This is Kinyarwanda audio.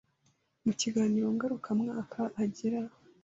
Mu kiganiro ngarukamwaka agira